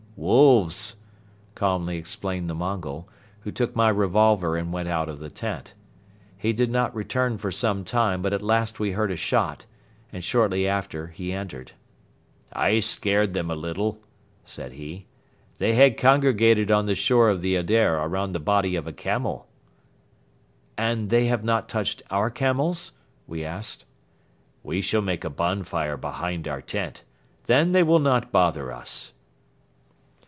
"Wolves," calmly explained the Mongol, who took my revolver and went out of the tent. He did not return for some time but at last we heard a shot and shortly after he entered. "I scared them a little," said he. "They had congregated on the shore of the Adair around the body of a camel." "And they have not touched our camels?" we asked. "We shall make a bonfire behind our tent; then they will not bother us."